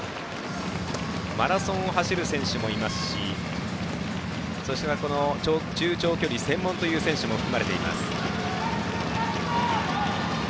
マラソンを走る選手もいますしそして中長距離専門の選手も含まれています。